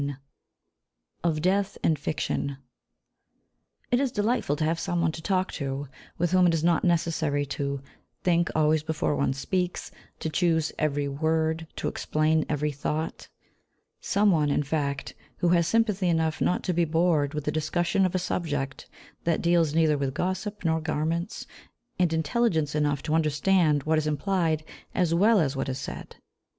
XVI OF DEATH, IN FICTION It is delightful to have some one to talk to with whom it is not necessary to think always before one speaks, to choose every word, to explain every thought some one, in fact, who has sympathy enough not to be bored with the discussion of a subject that deals neither with gossip nor garments, and intelligence enough to understand what is implied as well as what is said.